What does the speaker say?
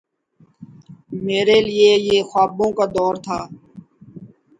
میرے لیے یہ خوابوں کا دور تھا۔